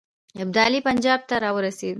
ابدالي پنجاب ته را ورسېد.